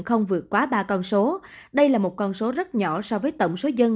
không vượt quá ba con số đây là một con số rất nhỏ so với tổng số dân